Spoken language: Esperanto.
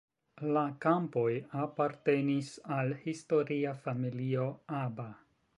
La kampoj apartenis al historia familio Aba.